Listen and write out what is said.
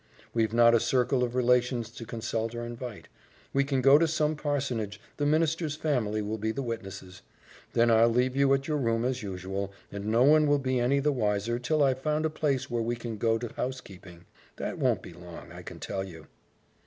We've not a circle of relations to consult or invite. We can go to some parsonage, the minister's family will be the witnesses; then I'll leave you at your room as usual, and no one will be any the wiser till I've found a place where we can go to housekeeping. That won't be long, I can tell you."